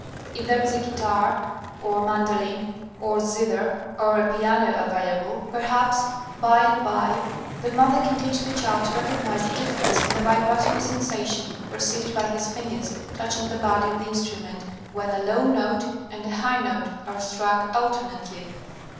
If there is a guitar, or mandolin, or zither, or a piano, available, perhaps, by and by, the mother can teach the child to recognize the difference in the vibratory sensation perceived by his fingers touching the body of the instrument when a low note and a high note are struck alternately.